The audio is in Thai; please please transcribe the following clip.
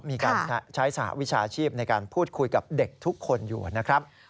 มีการใช้สหวิชาชีพในการพูดคุยกับเด็กทุกคนอยู่นะครับ